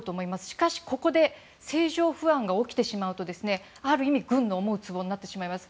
しかしここで政情不安が起きてしまうとある意味、軍の思うつぼになってしまいます。